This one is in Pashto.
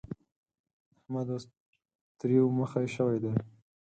احمد اوس تريو مخی شوی دی.